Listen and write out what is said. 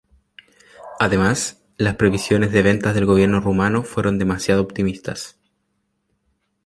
Además, las previsiones de ventas del Gobierno Rumano fueron demasiado optimistas.